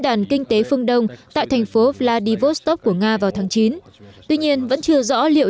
đàn kinh tế phương đông tại thành phố vladivostok của nga vào tháng chín tuy nhiên vẫn chưa rõ liệu